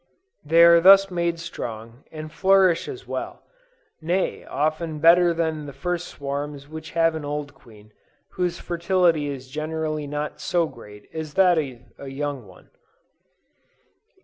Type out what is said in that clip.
They are thus made strong, and flourish as well, nay, often better than the first swarms which have an old queen, whose fertility is generally not so great as that of a young one.